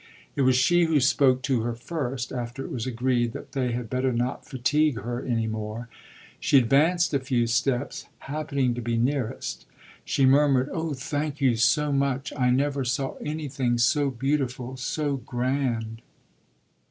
It was she who spoke to her first, after it was agreed that they had better not fatigue her any more; she advanced a few steps, happening to be nearest she murmured: "Oh thank you so much. I never saw anything so beautiful, so grand."